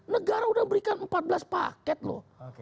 negara sudah berikan empat belas paket loh